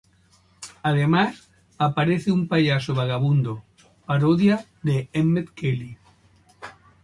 Además aparece un payaso vagabundo, parodia de Emmett Kelly.